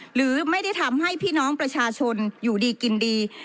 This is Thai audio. หรือไม่ได้ทำให้พี่น้องประชาชนอยู่ดีกินดี